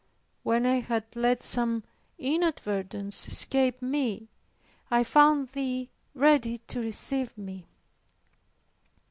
When I had let some inadvertence escape me, I found Thee ready to receive me.